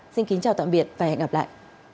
xin kính chào tạm biệt và hẹn gặp lại